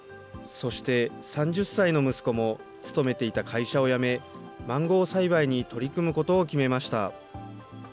そして、３０歳の息子も勤めていた会社を辞め、マンゴー栽培に取り組むことを決めました。